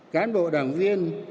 cán bộ đảng viên